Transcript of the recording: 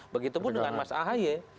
begitupun dengan mas ahaye